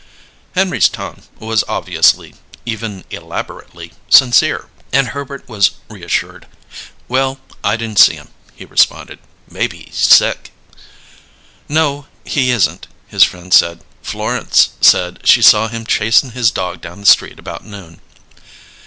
Henry's tone was obviously, even elaborately, sincere; and Herbert was reassured. "Well, I didn't see him," he responded. "Maybe he's sick." "No, he isn't," his friend said. "Florence said she saw him chasin' his dog down the street about noon."